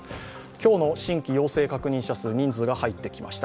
今日の新規陽性確認者数、人数が入ってきました。